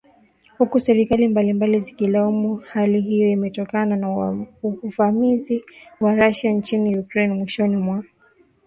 huku serikali mbalimbali zikilaumu hali hiyo imetokana na uvamizi wa Russia nchini Ukraine mwishoni mwa Februari